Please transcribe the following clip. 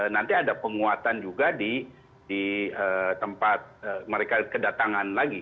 nanti ada penguatan juga di tempat mereka kedatangan lagi